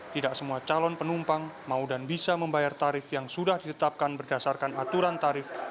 tidak semua calon penumpang mau dan bisa membayar tarif yang sudah ditetapkan berdasarkan aturan tarif